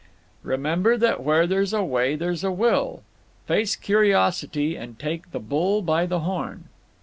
"Remember that where there's a way there's a will. Face curiosity and take the bull by the horn."